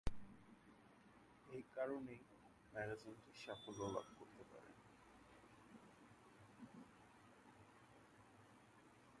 এই কারনে ম্যাগাজিনটি সাফল্য লাভ করতে থাকে।